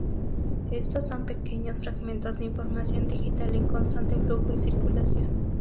Estos son pequeños fragmentos de información digital en constante flujo y circulación.